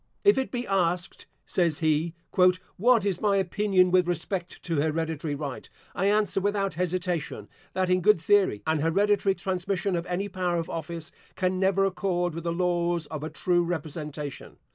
"If it be asked," says he, "what is my opinion with respect to hereditary right, I answer without hesitation, That in good theory, an hereditary transmission of any power of office, can never accord with the laws of a true representation.